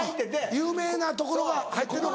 有名なところが入ってんのか。